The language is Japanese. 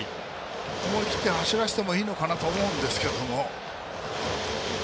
思い切って、走らせてもいいのかなと思うんですけど。